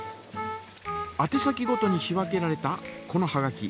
あて先ごとに仕分けられたこのはがき。